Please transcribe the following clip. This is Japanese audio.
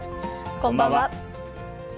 こんばんは。